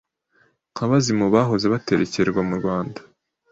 Nka bazimu bahoze baterekerwa mu rwanda